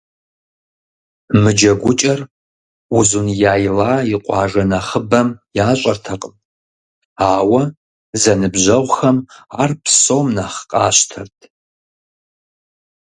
Мы джэгукӏэр Узуняйла и къуажэ нэхъыбэм ящӏэртэкъым, ауэ зэныбжьэгъухэм ар псом нэхъ къатщтэрт.